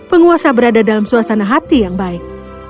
penguasa berada dalam suasana hati yang baik